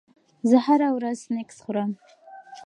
زه هره ورځ سنکس خوري.